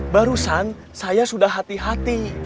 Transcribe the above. barusan saya sudah hati hati